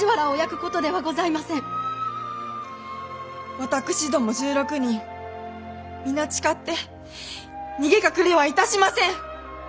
わたくしども１６人皆誓って逃げ隠れはいたしません。